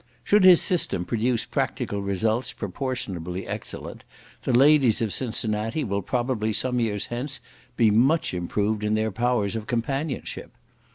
Should his system produce practical results proportionably excellent, the ladies of Cincinnati will probably some years hence be much improved in their powers of companionship.